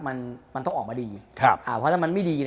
มันต้องออกมาดี